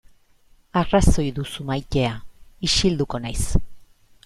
Arrazoi duzu maitea, isilduko naiz.